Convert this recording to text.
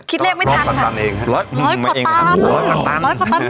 คิดเรียกไม่ทันค่ะร้อยกว่าตันเองครับร้อยกว่าตันร้อยกว่าตัน